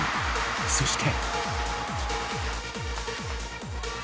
そして。